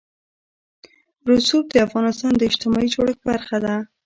رسوب د افغانستان د اجتماعي جوړښت برخه ده.